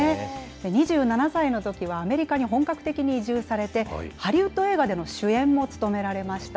２７歳のときはアメリカに本格的に移住されて、ハリウッド映画での主演も務められました。